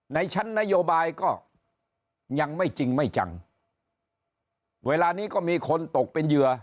ในชั้นนโยบายก็ยังไม่จริงไม่จังเวลานี้ก็มีคนตกเป็นเหยื่อ